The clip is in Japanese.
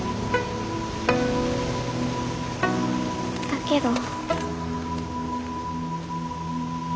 だけど。